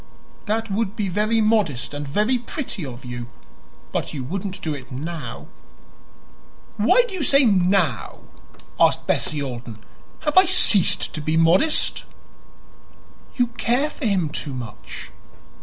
"That would be very modest and very pretty of you; but you wouldn't do it now." "Why do you say 'now'?" asked Bessie Alden. "Have I ceased to be modest?" "You care for him too much.